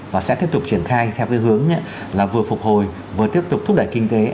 và sẽ tiếp tục triển khai theo hướng vừa phục hồi vừa tiếp tục thúc đẩy kinh tế